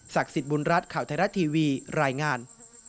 สิทธิ์บุญรัฐข่าวไทยรัฐทีวีรายงาน